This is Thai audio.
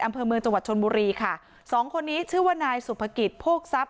อำเภอเมืองจังหวัดชนบุรีค่ะสองคนนี้ชื่อว่านายสุภกิจโพกทรัพย